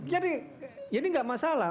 jadi ini tidak masalah